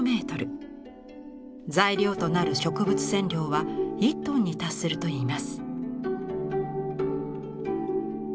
材料となる植物染料は１ｔに達するといいます。